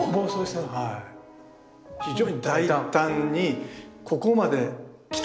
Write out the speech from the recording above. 非常に大胆にここまで来たかという。